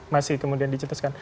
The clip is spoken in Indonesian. masih kemudian dicetuskan